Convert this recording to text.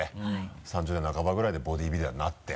３０代なかばぐらいでボディビルダーになって。